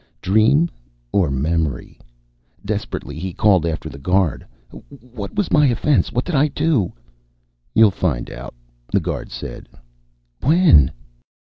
Dream or memory? Desperately he called after the guard. "What was my offense? What did I do?" "You'll find out," the guard said. "When?"